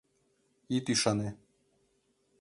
Ит ӱшане.